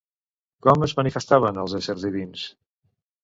Com es manifestaven els éssers divins?